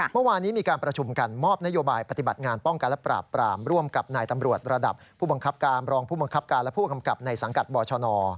เมื่อวานนี้มีการประชุมกันมอบนโยบายปฏิบัติงานป้องกันและปราบปรามร่วมกับนายตำรวจระดับผู้บังคับการรองผู้บังคับการและผู้กำกับในสังกัดบชน